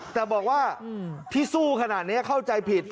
แต่บอกว่าที่สู้ขนาดนี้เข้าใจผิด